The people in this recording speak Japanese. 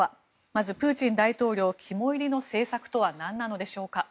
まずプーチン大統領肝煎りの政策とは何なのでしょうか。